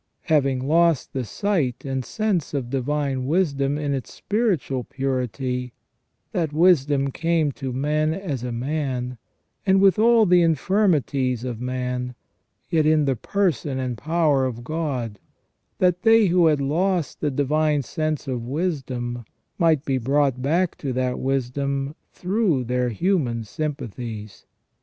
Having lost the sight and sense of divine wisdom in its spiritual purity, that wisdom came to men as a man, and with all the infirmities of man, yet in the person and power of God, that they who had lost the divine sense of wisdom might be brought back to that wisdom through their human sympathies.